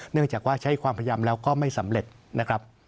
เนื่องจากว่าใช้ความพยายามแล้วก็ไม่สำเร็จนะครับ